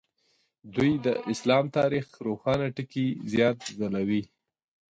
دوی د اسلام تاریخ روښانه ټکي زیات ځلوي.